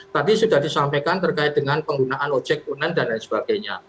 tadi sudah disampaikan terkait dengan penggunaan ojek online dan lain sebagainya